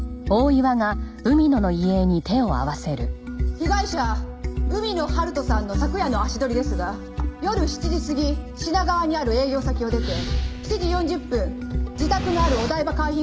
被害者海野春人さんの昨夜の足取りですが夜７時過ぎ品川にある営業先を出て７時４０分自宅のあるお台場海浜公園駅に到着。